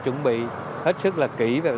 chuẩn bị hết sức là kỹ về